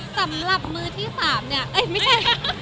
สำหรับมือที่๓เนี่ยเอ้ยไม่ใช่